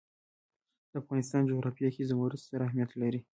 د افغانستان جغرافیه کې زمرد ستر اهمیت لري.